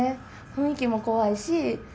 雰囲気も怖いし。